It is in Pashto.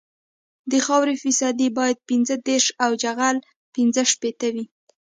د خاورې فیصدي باید پنځه دېرش او جغل پینځه شپیته وي